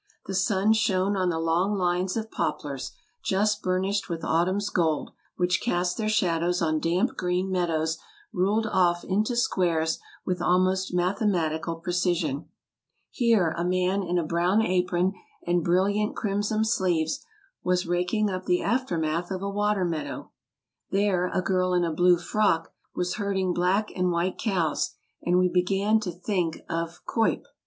The sun shone on the long lines of poplars, just burnished with autumn's gold, which cast their shadows on damp green meadows ruled ofif into squares with almost mathematical precision. Here a man in a brown apron and brilliant crim vol. vi. — 16 227 228 TRAVELERS AND EXPLORERS son sleeves was raking up the aftermath off a water meadow. There a girl in a blue frock was herding black and white cows, and we began to think of Cuyp.